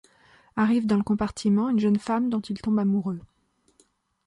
Arrive dans le compartiment une jeune femme dont il tombe amoureux.